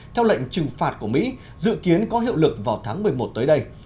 theo lệnh trừng phạt của mỹ dự kiến có hiệu lực vào tháng một mươi một tới đây